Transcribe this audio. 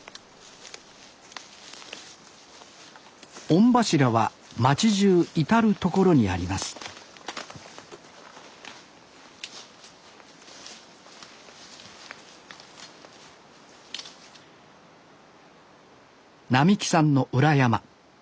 御柱は町じゅう至る所にあります並喜さんの裏山。